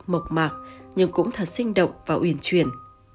mộc mạc nhưng cũng thật sinh động và uyển chuyển